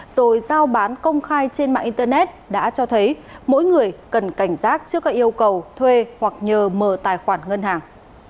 rồi giao bán công khai trên mạng internet đã cho thấy mỗi người cần cảnh giác trước các yêu cầu thuê hoặc nhờ mở tài khoản ngân hàng